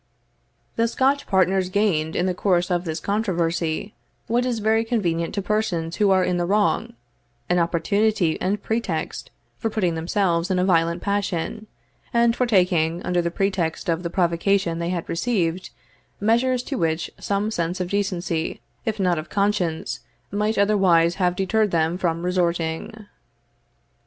The Scotch partners gained, in the course of this controversy, what is very convenient to persons who are in the wrong, an opportunity and pretext for putting themselves in a violent passion, and for taking, under the pretext of the provocation they had received, measures to which some sense of decency, if not of conscience, might otherwise have deterred them from resorting.